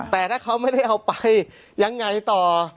แต่ถ้าเขาไม่ได้เอาไปยังไงต่อ